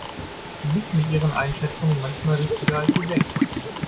Sie liegt mit ihren Einschätzungen manchmal richtiger, als sie denkt.